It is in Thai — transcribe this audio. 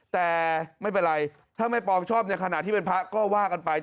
แต่ไม่เป็นไรถ้าไม่ปองชอบในขณะที่เป็นพระก็ว่ากันไป